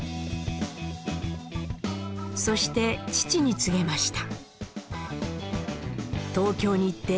そして父に告げました。